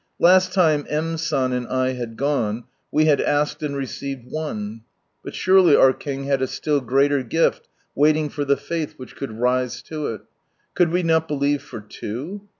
Last time M, San and I had gone, we had asked and received one; but surely our King had a still greater gift waiting for the faith which could rise to it. Could we not believe for two